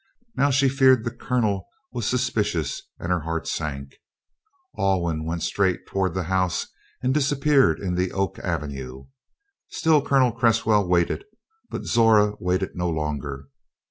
Now she feared the Colonel was suspicious and her heart sank. Alwyn went straight toward the house and disappeared in the oak avenue. Still Colonel Cresswell waited but Zora waited no longer.